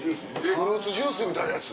フルーツジュースみたいなやつ。